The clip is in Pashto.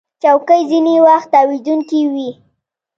چوکۍ ځینې وخت تاوېدونکې وي.